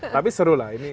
tapi seru lah ini